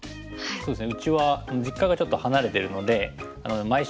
そうですね